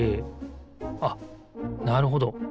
あっなるほど。